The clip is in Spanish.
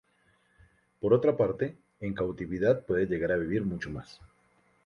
Por otra parte, en cautividad pueden llegar a vivir mucho más.